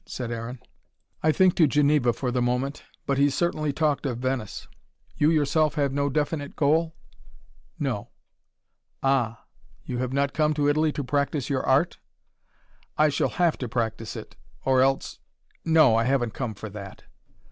said Aaron. "I think to Geneva for the moment. But he certainly talked of Venice. You yourself have no definite goal?" "No." "Ah! You have not come to Italy to practice your art?" "I shall HAVE to practice it: or else no, I haven't come for that."